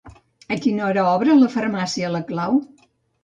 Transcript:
A quina hora obre la Farmàcia La Clau?